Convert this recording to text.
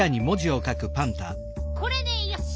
これでよし。